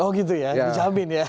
oh gitu ya dijamin ya